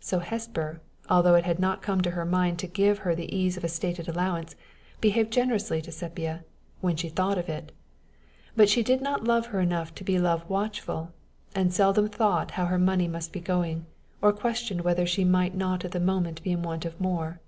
So Hesper, although it had not come into her mind to give her the ease of a stated allowance, behaved generously to Sepia when she thought of it; but she did not love her enough to be love watchful, and seldom thought how her money must be going, or questioned whether she might not at the moment be in want of more.